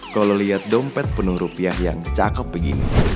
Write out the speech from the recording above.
kalau lihat dompet penuh rupiah yang cakep begini